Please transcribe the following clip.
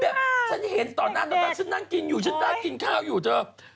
ฉันเห็นต่อหน้าตอนนั้นฉันนั่งกินอยู่ฉันน่ากินข้าวอยู่เธอ